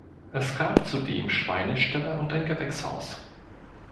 Es gab zudem Schweineställe und ein Gewächshaus.